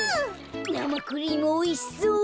なまクリームおいしそう。